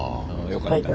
よかった。